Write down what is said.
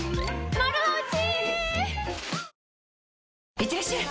いってらっしゃい！